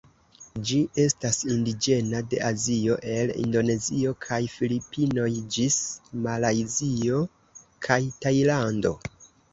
Ĝi estas indiĝena de Azio, el Indonezio kaj Filipinoj ĝis Malajzio kaj Tajlando.